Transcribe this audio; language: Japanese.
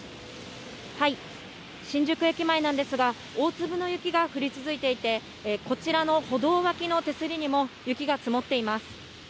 新宿駅前なんですが、大粒の雪が降り続いていて、こちらの歩道脇の手すりにも雪が積もっています。